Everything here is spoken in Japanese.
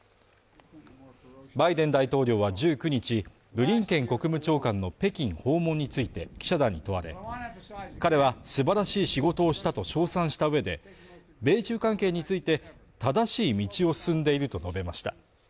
バイデン大統領は１９日ブリンケン国務長官の北京訪問について記者団に問われ彼は素晴らしい仕事をしたと称賛した上で、米中関係について、正しい道を進んでいると述べました。